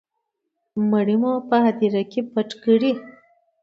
مړی مو هدیره کي پټ کړی